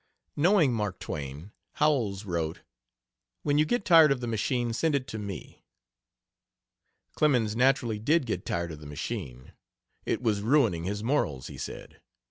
Knowing Mark Twain, Howells wrote: "When you get tired of the machine send it to me." Clemens naturally did get tired of the machine; it was ruining his morals, he said.